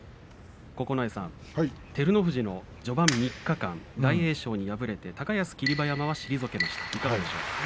九重さん、照ノ富士の序盤３日間大栄翔に敗れて高安と霧馬山は退けました。